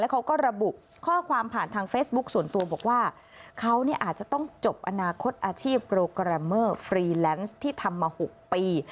เขาก็ระบุข้อความผ่านทางเฟซบุ๊คส่วนตัวบอกว่าเขาอาจจะต้องจบอนาคตอาชีพโปรแกรมเมอร์ฟรีแลนซ์ที่ทำมา๖ปี